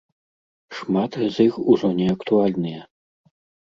Шмат з іх ужо неактуальныя.